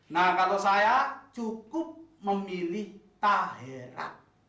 nah kalau saya cukup memilih tahirah